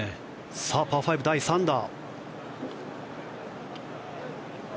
さあパー５、第３打。